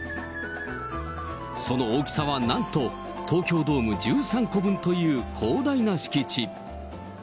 その大きさは、なんと東京ドーム１３個分という広大な敷地。